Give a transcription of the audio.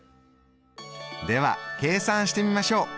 では計算してみましょう。